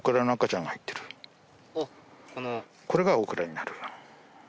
これがオクラになる。